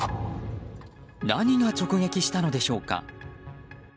何が直撃したのでしょうか。